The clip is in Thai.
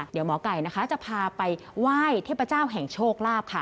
เดี๋ยวหมอไก่นะคะจะพาไปไหว้เทพเจ้าแห่งโชคลาภค่ะ